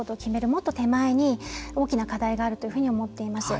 もっと手前に大きな課題があるというふうに思っています。